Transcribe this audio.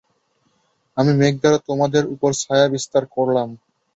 আমি মেঘ দ্বারা তোমাদের উপর ছায়া বিস্তার করলাম।